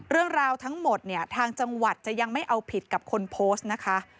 เรื่องราวทั้งหมดเนี่ยทางจังหวัดจะยังไม่เอาผิดกับคนโพสต์นะคะ